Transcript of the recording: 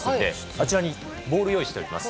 あちらにボールを用意しています。